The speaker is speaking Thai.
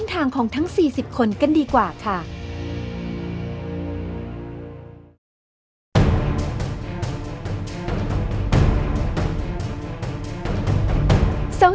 แนปฐานและโรยบันดาลใด